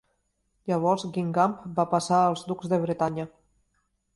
Llavors Guingamp va passar als ducs de Bretanya.